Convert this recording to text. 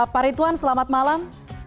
pak rituan selamat malam